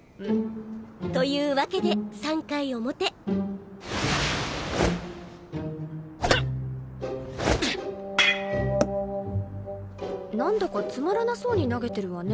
というわけで３回表なんだかつまらなそうに投げてるわね